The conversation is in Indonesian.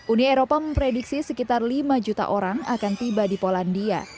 uni eropa memprediksi sekitar lima juta orang akan tiba di polandia